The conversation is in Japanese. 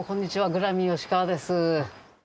グラミー吉川です。